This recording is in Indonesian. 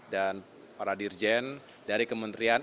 dan para dirjen dari kementerian